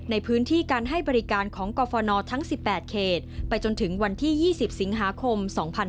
ในพื้นที่การให้บริการของกรฟนทั้ง๑๘เขตไปจนถึงวันที่๒๐สิงหาคม๒๕๕๙